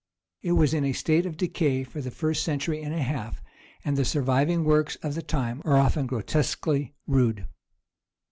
It was in a state of decay for the first century and a half, and the surviving works of that time are often grotesquely rude.